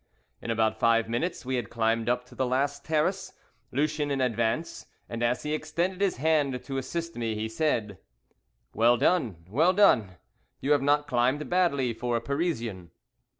In about five minutes we had climbed up to the last terrace, Lucien in advance, and as he extended his hand to assist me he said: "Well done, well done; you have not climbed badly for a Parisian."